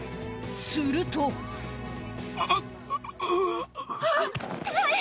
するとあっうぅ。